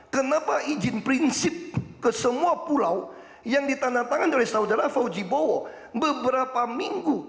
kenapa izin prinsip ke semua pulau yang ditandatangan oleh saudara fauji bowo beberapa minggu